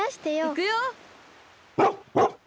いくよ！